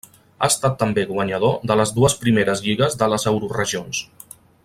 Ha estat també guanyador de les dues primeres lligues de les Euroregions.